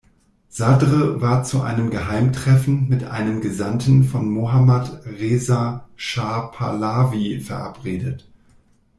Sadr war zu einem Geheimtreffen mit einem Gesandten von Mohammad Reza Schah Pahlavi verabredet.